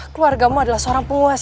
keluarga mu adalah seorang penguasa